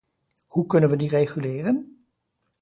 Hoe kunnen we die reguleren?